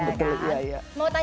ini anak kedua ceritanya